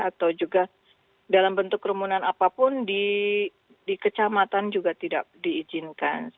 atau juga dalam bentuk kerumunan apapun di kecamatan juga tidak diizinkan